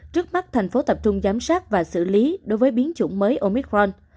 trước mắt thành phố tập trung giám sát và xử lý đối với biến chủng mới omicron